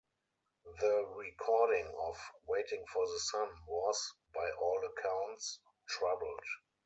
The recording of "Waiting for the Sun" was, by all accounts, troubled.